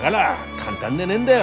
簡単でねえんだよ